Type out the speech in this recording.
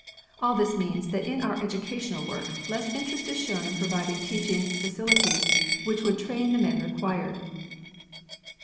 All this means that in our educational work less interest is shown in providing teaching facilities which would train the men required.